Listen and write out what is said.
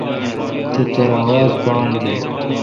تترہ آواز بان بیل۔